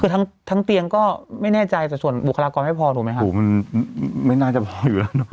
คือทั้งเตียงก็ไม่แน่ใจแต่ส่วนบุคลากรไม่พอถูกไหมครับโอ้โหมันไม่น่าจะพออยู่แล้วเนอ